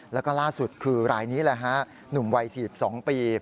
แล้วก็ล่าสุดคือรายนี้แหละฮะหนุ่มวัย๔๒ปี